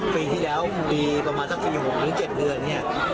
ปีที่แล้วปีประมาณสักปี๖นึง๗เดือน